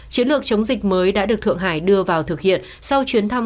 chiến lược chống dịch mới đã được thượng hải đưa vào thực hiện sau chuyến thăm